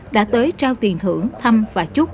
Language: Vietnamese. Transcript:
đã tới trao tiền thưởng thăm và chúc